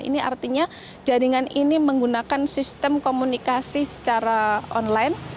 ini artinya jaringan ini menggunakan sistem komunikasi secara online